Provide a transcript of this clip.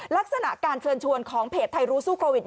ลักษณะการเชิญชวนของเพจไทยรู้สู้โควิด